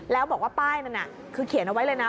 แล้วบอกว่าป้ายนั้นคือเขียนเอาไว้เลยนะ